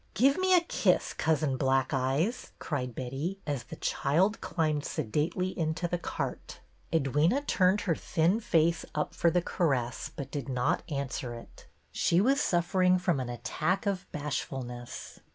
Give me a kiss. Cousin Black Eyes,'' cried Betty, as the child climbed sedately into the cart. i8o BETTY BAIRD'S VENTURES Edwyna turned her thin face up for the caress but did not answer it. She was suffering from an attack of bashfulness.